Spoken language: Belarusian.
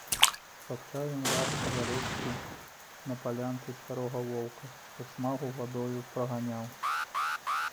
Спаткаў ён раз каля рэчкі, на палянцы, старога воўка, што смагу вадою праганяў.